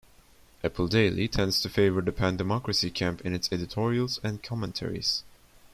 Apple Daily tends to favour the pan-democracy camp in its editorials and commentaries.